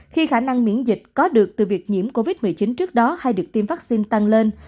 khi khả năng miễn dịch có được từ việc nhiễm covid một mươi chín trước đó hay được tiêm vaccine tăng lên